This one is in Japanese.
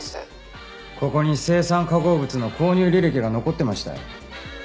ここに青酸化合物の購入履歴が残ってました。